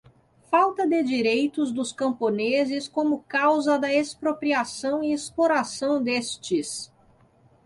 falta de direitos dos camponeses como causa da expropriação e exploração destes